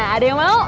ada yang mau